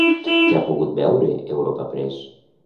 Què ha pogut veure Europa Press?